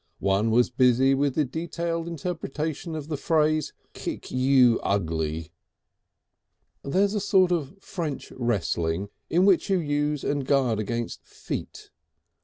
One was busy with the detailed interpretation of the phrase "Kick you ugly." There's a sort of French wrestling in which you use and guard against feet.